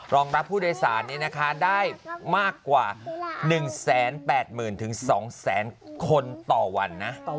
รองรับผู้โดยส่านเนี่ยนะคะได้มากกว่า๑๘๐๐๐๒๐๐๐๐๐คนต่อวัน